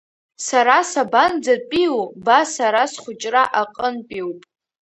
Сара сабанӡатәиу ба сара схәыҷра аҟынтәиуп.